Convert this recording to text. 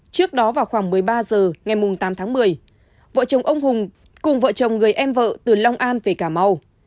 trước đó vào khoảng một mươi ba h ngày tám tháng một mươi vợ chồng ông hùng cùng vợ chồng người em vợ từ long an về cà mau